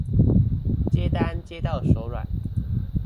接單接到手軟